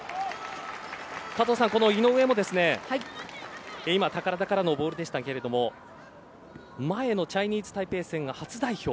加藤さん、井上も宝田からのボールでしたけれども前のチャイニーズタイペイ戦が初代表。